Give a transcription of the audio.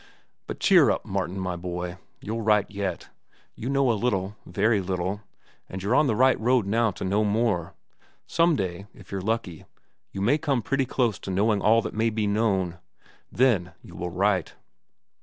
But cheer up, Martin, my boy. You'll write yet. You know a little, a very little, and you're on the right road now to know more. Some day, if you're lucky, you may come pretty close to knowing all that may be known. Then you will write."